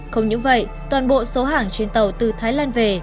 không những vậy toàn bộ số hàng trên tàu từ thái lan về